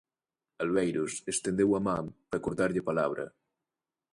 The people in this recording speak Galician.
Alveiros estendeu a man para cortarlle a palabra.